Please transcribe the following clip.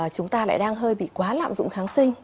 chúng ta lại đang hơi bị quá lạm dụng kháng sinh